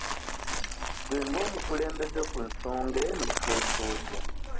Gwe ng'omukulembeze ku nsonga eno oteesa otya?